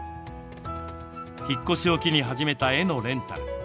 引っ越しを機に始めた絵のレンタル。